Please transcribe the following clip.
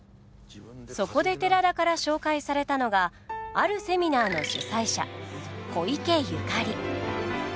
そこで寺田から紹介されたのがあるセミナーの主宰者小池ゆかり。